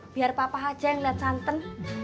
biar papa aja yang lihat santan